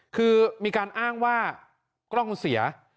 คือมีการอ้างว่ากล้องเสีย